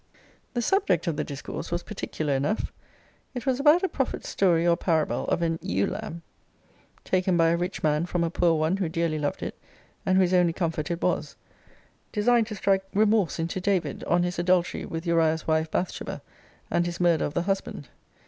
The subject of the discourse was particular enough: It was about a prophet's story or parable of an ewe lamb taken by a rich man from a poor one, who dearly loved it, and whose only comfort it was: designed to strike remorse into David, on his adultery with Uriah's wife Bathsheba, and his murder of the husband.